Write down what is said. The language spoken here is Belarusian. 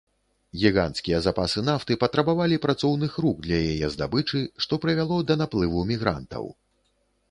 Гіганцкія запасы нафты патрабавалі працоўных рук для яе здабычы, што прывяло да наплыву мігрантаў.